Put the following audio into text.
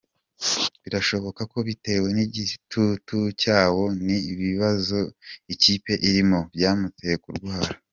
Birashoboka ko bitewe n’igitutu cyawo n’ibibazo ikipe irimo, byamuteye kurwara.